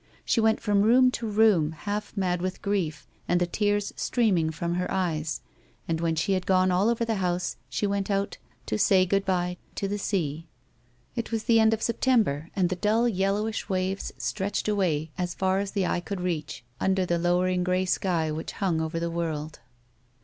She went from room to room, half mad with grief, and the tears streaming from her eyes, and, when she had gone all over the house, she went out to " say good bye " to the sea. It was the end of September, and the dull yellow ish waves stretched away as far as the eye could reach, under the lowering grey sky which hung over the world.